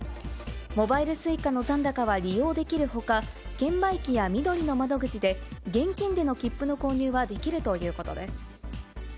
モバイルＳｕｉｃａの残高は利用できるほか、券売機やみどりの窓口で、現金での切符の購入はできるということです。